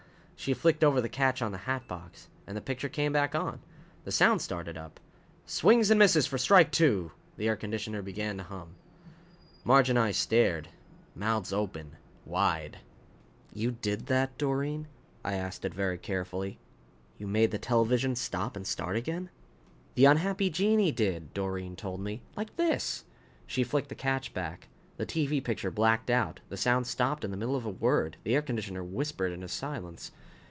She flicked over the catch on the hatbox. And the picture came back on. The sound started up. " swings and misses for strike two!" The air conditioner began to hum. Marge and I stared. Mouths open. Wide. "You did that, Doreen?" I asked it very carefully. "You made the television stop and start again?" "The unhappy genii did," Doreen told me. "Like this." She flicked the catch back. The TV picture blacked out. The sound stopped in the middle of a word. The air conditioner whispered into silence.